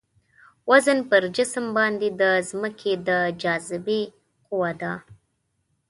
وزن پر جسم باندې د ځمکې د جاذبې قوه ده.